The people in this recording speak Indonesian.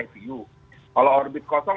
kalau orbit kosong